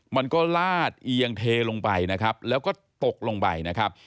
มันก็ลาดเอียงเทลงไปนะครับแล้วก็ตกลงไปนะครับ